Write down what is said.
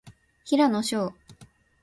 平野紫耀